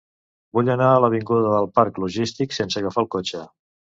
Vull anar a l'avinguda del Parc Logístic sense agafar el cotxe.